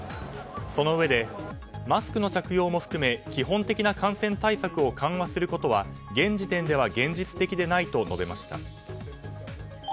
そのうえでマスクの着用も含め基本的な感染対策を緩和することは現時点では現実的でないと述べました。